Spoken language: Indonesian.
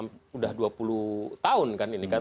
sudah dua puluh tahun kan ini kan